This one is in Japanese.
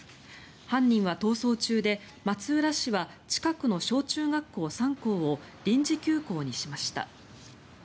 犯人は逃走中で松浦市は近くの小中学校３校を臨時休校にしました。